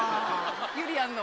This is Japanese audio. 「ゆりやんの」。